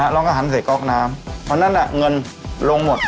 เราก็หันใส่ก๊อกน้ำเพราะฉะนั้นเงินลงหมด